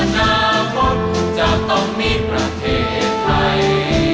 อนาคตจะต้องมีประเทศไทย